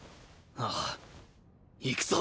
ああいくぞ。